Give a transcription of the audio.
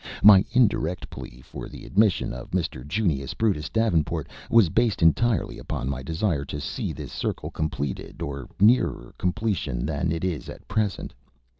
My indirect plea for the admission of Mr. Junius Brutus Davenport was based entirely upon my desire to see this circle completed or nearer completion than it is at present.